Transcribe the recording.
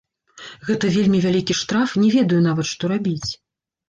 Гэта вельмі вялікі штраф, не ведаю нават, што рабіць.